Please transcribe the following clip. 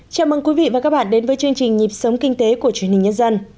chào mừng quý vị và các bạn đến với chương trình nhịp sống kinh tế của truyền hình nhân dân